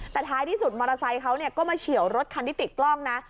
แต่ท้ายที่สุดมอเตอร์ไซค์เขาก็มาเฉียวรถคันที่ติดกล้องนะ